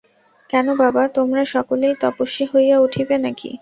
কেন বাবা, তোমরা সকলেই তপস্বী হইয়া উঠিবে নাকি?